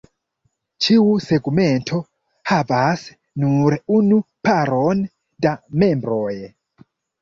Ĉiu segmento havas nur unu paron da membroj.